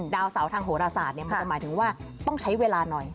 ดาวเสาทางโหรศาสตร์มันจะหมายถึงว่าต้องใช้เวลาหน่อย